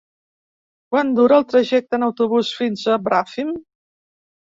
Quant dura el trajecte en autobús fins a Bràfim?